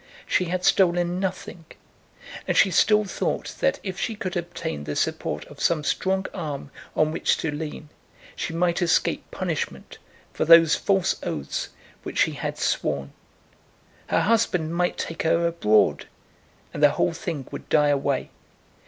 She had stolen nothing; and she still thought that if she could obtain the support of some strong arm on which to lean, she might escape punishment for those false oaths which she had sworn. Her husband might take her abroad, and the whole thing would die away.